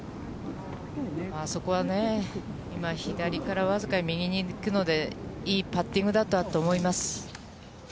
そこはね、左から僅かに右に行くので、いいパッティングだったと思います。